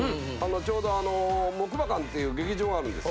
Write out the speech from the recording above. ちょうどあの木馬館っていう劇場があるんです。